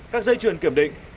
các dây chuyền kiểm định